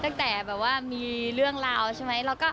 ตั้งแต่แบบว่ามีเรื่องราวใช่ไหม